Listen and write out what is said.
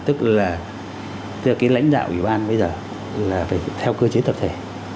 tức là lãnh đạo ủy ban bây giờ là phải theo cơ chế tập thể